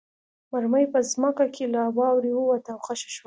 مرمۍ په ځمکه کې له واورې ووته او خښه شوه